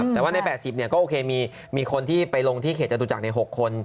แต่ว่าใน๘๐ก็โอเคมีคนที่ไปลงที่เขตจตุจักรใน๖คน